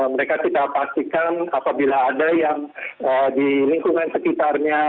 mereka kita pastikan apabila ada yang di lingkungan sekitarnya